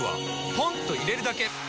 ポンと入れるだけ！